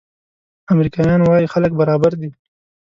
امریکایان وايي خلک برابر دي.